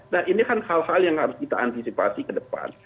nah ini kan hal hal yang harus kita antisipasi ke depan